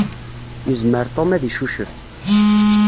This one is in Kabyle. Yezmer Tom ad icucef.